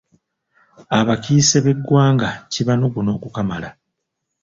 Abakiise b’eggwanga kibanuguna okukamala.